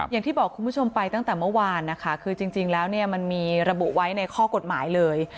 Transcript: อย่างที่บอกคุณผู้ชมไปตั้งแต่เมื่อวานนะคะคือจริงแล้วเนี่ยมันมีระบุไว้ในข้อกฎหมายเลย